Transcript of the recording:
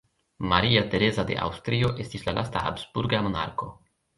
Maria Tereza de Aŭstrio estis la lasta habsburga monarko.